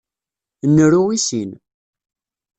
Nru i sin.